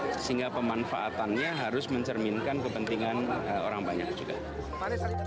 sehingga pemanfaatannya harus mencerminkan kepentingan orang banyak juga